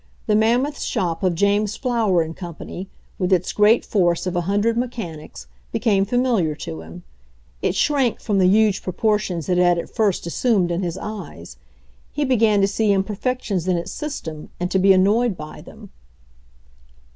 The mammoth shop of James Flower & Co., with its great force of a hundred mechanics, became fa miliar to him; it shtank from the huge propor tions it had at first assumed in his eyes. He be gan to see imperfections in its system and to be annoyed by them.